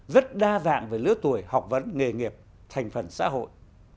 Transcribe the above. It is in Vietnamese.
rất đa dạng về lứa tuổi học vấn nghề nghiệp thành phần xã hội